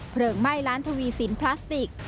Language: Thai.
ไหม้ร้านทวีสินพลาสติก